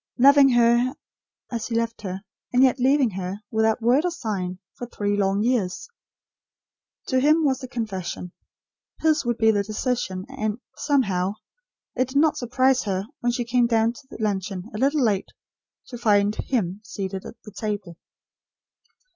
Loving her, as he loved her; and yet leaving her, without word or sign, for three long years. To hire, was the confession; his would be the decision; and, somehow, it did not surprise her, when she came down to luncheon, a little late, to find HIM seated at the table.